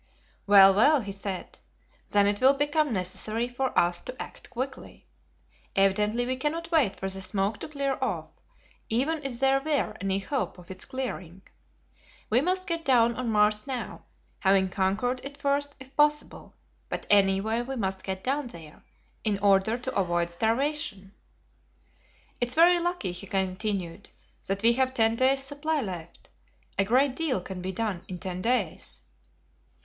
"Well, well," he said, "then it will become necessary for us to act quickly. Evidently we cannot wait for the smoke to clear off, even if there were any hope of its clearing. We must get down on Mars now, having conquered it first if possible, but anyway we must get down there, in order to avoid starvation." "It is very lucky," he continued, "that we have ten days' supply left. A great deal can be done in ten days."